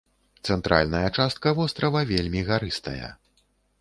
Цэнтральная частка вострава вельмі гарыстая.